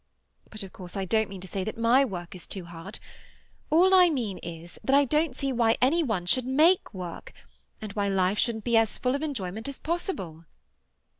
But of course I don't mean to say that my work is too hard. All I mean is, that I don't see why any one should make work, and why life shouldn't be as full of enjoyment as possible."